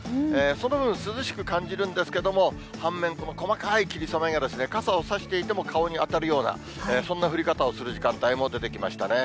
その分、涼しく感じるんですけれども、反面、この細かい霧雨が、傘を差していても顔に当たるような、そんな降り方をする時間帯も出てきましたね。